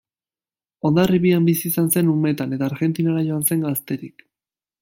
Hondarribian bizi izan zen umetan eta Argentinara joan zen gazterik.